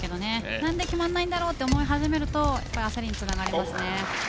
何で決まんないんだろうと思うと焦りにつながりますね。